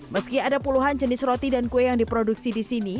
meski ada puluhan jenis roti dan kue yang diproduksi di sini